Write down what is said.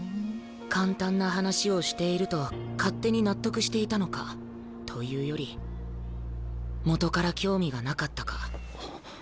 簡単な話をしていると勝手に納得していたのかというよりもとから興味がなかったか。